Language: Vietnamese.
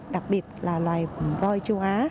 đặc biệt là loài vôi châu á